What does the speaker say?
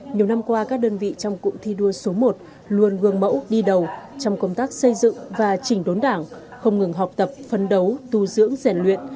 nhiều năm qua các đơn vị trong cụm thi đua số một luôn gương mẫu đi đầu trong công tác xây dựng và chỉnh đốn đảng không ngừng học tập phấn đấu tu dưỡng rèn luyện